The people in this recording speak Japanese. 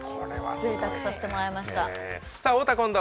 ぜいたくさせてもらいました。